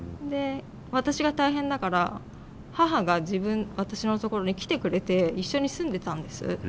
私が大変だから母が私のところに来てくれて一緒に住んでたんです。